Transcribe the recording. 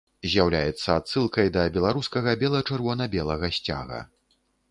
З'яўляецца адсылкай да беларускага бела-чырвона-белага сцяга.